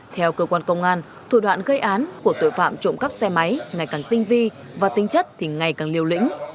theo cơ quan công an thủ đoạn gây án của tội phạm trộm cắp xe máy ngày càng tinh vi và tinh chất thì ngày càng liều lĩnh